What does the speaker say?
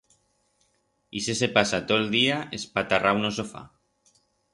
Ixe se pasa to'l día espatarrau en o sofá.